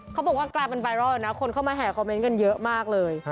กลายเป็นไวรัลนะคนเข้ามาแห่คอมเมนต์กันเยอะมากเลย